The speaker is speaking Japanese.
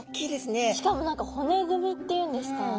しかも何か骨組みって言うんですか